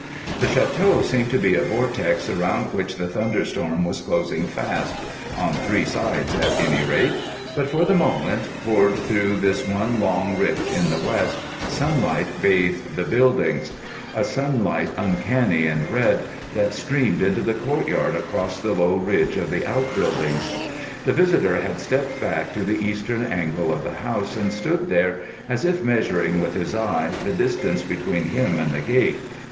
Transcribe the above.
The château seemed to be a vortex around which the thunderstorm was closing fast—on three sides at any rate. But for the moment, poured through this one long rift in the west, sunlight bathed the buildings; a sunlight uncanny and red, that streamed into the courtyard across the low ridge of the outbuildings. The visitor had stepped back to the eastern angle of the house, and stood there as if measuring with his eye the distance between him and the gate.